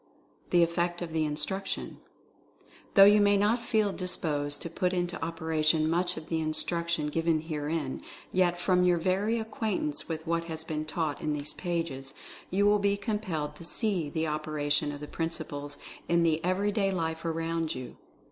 THE EFFECT OF THE INSTRUCTION. Though you may not feel disposed to put into oper ation much of the instruction given herein, yet, from your very acquaintance with what has been taught in these pages, you will be compelled to see the opera tion of the principles in the everyday life around you.